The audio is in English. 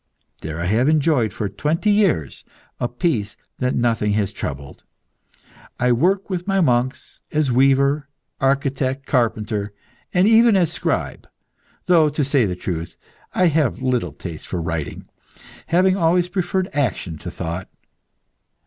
There I have enjoyed for twenty years a peace that nothing has troubled. I work with my monks as weaver, architect, carpenter, and even as scribe, though, to say the truth, I have little taste for writing, having always preferred action to thought.